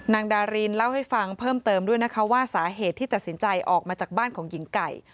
นางดารินเล่าให้ฟังเพิ่มเติมด้วยนะคะว่าสาเหตุที่ตัดสินใจออกมาจากบ้านของหญิงไก่